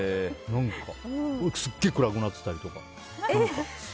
すごい暗くなってたりとか。